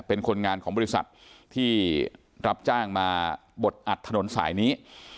เป็นคนงานของบริษัทที่รับจ้างมาบดอัดถนนสายนี้